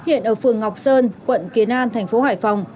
hiện ở phường ngọc sơn quận kiến an thành phố hải phòng